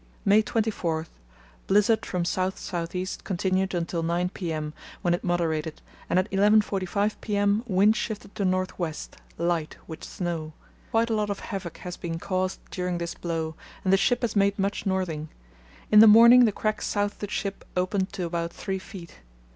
"May 24.—Blizzard from south south east continued until 9 p.m., when it moderated, and at 11.45 p.m. wind shifted to north west, light, with snow. Quite a lot of havoc has been caused during this blow, and the ship has made much northing. In the morning the crack south of the ship opened to about three feet.